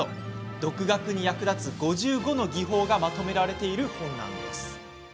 独学に役立つ５５の技法がまとめられている本なんです。